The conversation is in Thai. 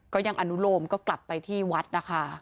ก็ยังอนุโลมก็กลับไปที่วัดนะคะ